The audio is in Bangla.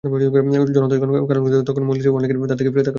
জনতা যখন কারূনকে দেখল, তখন মজলিসের অনেকেই তার দিকে ফিরে তাকাল।